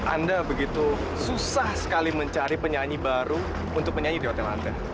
anda begitu susah sekali mencari penyanyi baru untuk penyanyi di hotel lantai